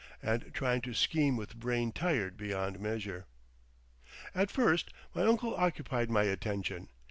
and trying to scheme with brain tired beyond measure. At first my uncle occupied my attention.